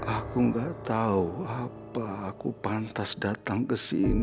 aku gak tahu apa aku pantas datang kesini enda